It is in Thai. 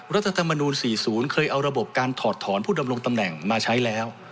รัฐธรรมนูล๔๐เคยเอาระบบการถอดถอนผู้ดำรงตำแหน่งมาใช้แล้ว